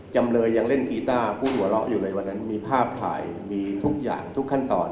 จำเลยยังเล่นกีต้าผู้หัวเราะอยู่เลยวันนั้นมีภาพถ่ายมีทุกอย่างทุกขั้นตอน